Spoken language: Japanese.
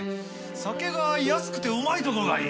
酒が安くてうまい所がいい。